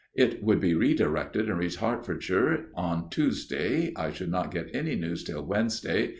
It would be redirected and reach Hertfordshire on Tuesday. I should not get any news till Wednesday.